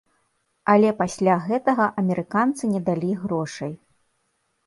Але пасля гэтага амерыканцы не далі грошай.